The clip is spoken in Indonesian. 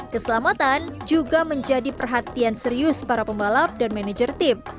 keselamatan juga menjadi perhatian serius para pembalap dan manajer tim